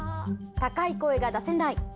高い声が出せない。